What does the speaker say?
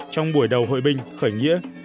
trong buổi đầu hội binh khởi nghĩa